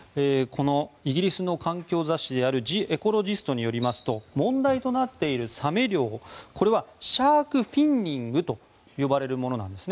イギリスの環境雑誌である「ジ・エコロジスト」によりますと問題となっているサメ漁これはシャーク・フィンニングと呼ばれるものなんですね。